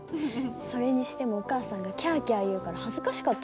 それにしてもお母さんがキャキャ言うから恥ずかしかったよ。